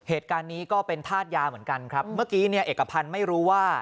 เหตุการณ์นี้ก็เป็นธาตุยาเหมือนกันครับเมื่อกี้เนี่ยเอกพันธ์ไม่รู้ว่า